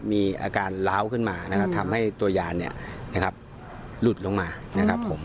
มีอาการร้าวขึ้นมาทำให้ตัวยานลุดลงมา